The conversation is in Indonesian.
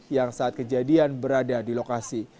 yang saat kejadian berada di lokasi